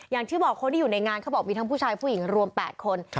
อย่างที่บอกคนที่อยู่ในงานเขาบอกมีทั้งผู้ชายผู้หญิงรวม๘คน